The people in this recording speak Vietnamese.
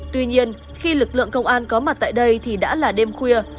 tuy nhiên khi lực lượng công an có mặt tại đây thì đã là đêm khuya